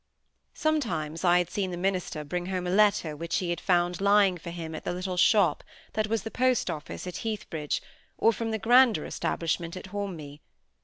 Sometimes I had seen the minister bring home a letter which he had found lying for him at the little shop that was the post office at Heathbridge, or from the grander establishment at Hornby.